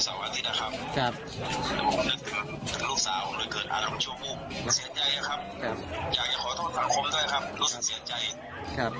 อยากจะขอโทษหลังคมด้วยครับรู้สึกเสียใจ